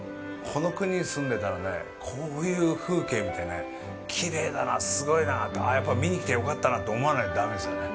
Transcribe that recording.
この国に住んでたらねこういう風景を見てね、きれいだな、すごいな、やっぱり見に来てよかったなって思わないとだめですよね。